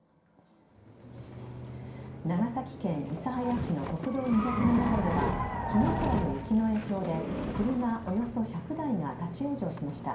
長崎県諫早市の国道２０７号では昨日からの雪の影響で車およそ１００台が立ち往生しました。